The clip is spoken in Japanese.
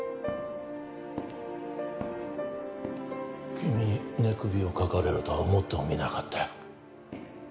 君に寝首をかかれるとは思ってもみなかったよ